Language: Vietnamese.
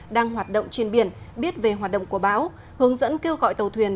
đang hoạt động trên biển biết về hoạt động của bão hướng dẫn kêu gọi tàu thuyền